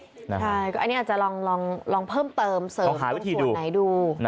ใช่ก็อันนี้อาจจะลองเพิ่มเติมเสิร์ฟหรือว่าส่วนไหนดู